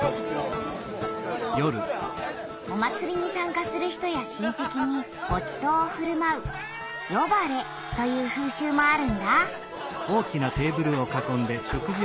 お祭りにさんかする人や親せきにごちそうをふるまうヨバレという風習もあるんだ。